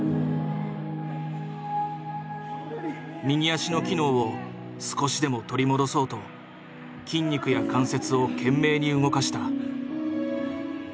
右足の機能を少しでも取り戻そうと筋肉や関節を懸命に動かした。